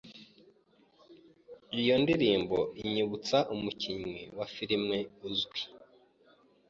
Iyo ndirimbo inyibukije umukinnyi wa firime uzwi.